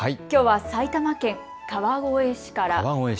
きょうは埼玉県川越市から。